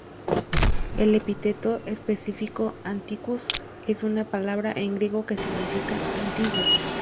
El epíteto específico "antiquus" es una palabra en griego que significa ‘antiguo’.